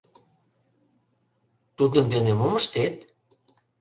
— Тудын дене мом ыштет?